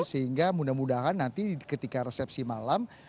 sehingga mudah mudahan nanti ketika resepsi malam